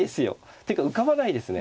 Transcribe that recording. ていうか浮かばないですね。